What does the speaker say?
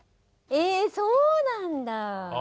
えそうなんだ。